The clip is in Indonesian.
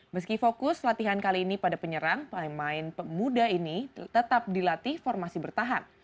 meski fokus latihan kali ini pada penyerang pemain pemuda ini tetap dilatih formasi bertahan